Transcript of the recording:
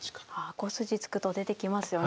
５筋突くと出てきますよね